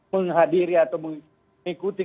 menghadiri atau mengikuti